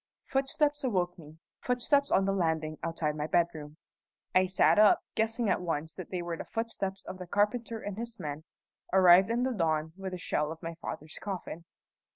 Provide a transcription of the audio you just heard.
Footsteps awoke me footsteps on the landing outside my bedroom. I sat up, guessing at once that they were the footsteps of the carpenter and his men, arrived in the dawn with the shell of my father's coffin.